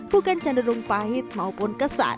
bukan cenderung pahit maupun kesat